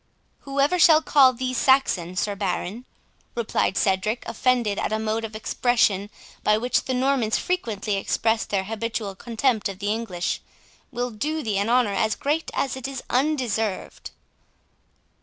"Whoever shall call thee Saxon, Sir Baron," replied Cedric, offended at a mode of expression by which the Normans frequently expressed their habitual contempt of the English, "will do thee an honour as great as it is undeserved."